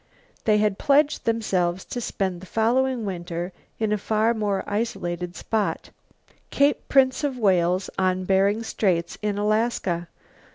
They had pledged themselves to spend the following winter in a far more isolated spot, Cape Prince of Wales, on Bering Straits in Alaska.